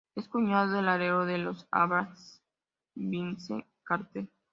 Es cuñado del alero de los Atlanta Hawks Vince Carter.